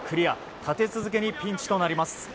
立て続けにピンチとなります。